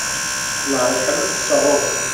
Wellah ar acḥal ma steqsaɣ ɣur-s.